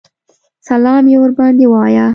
سلام یې ورباندې وایه.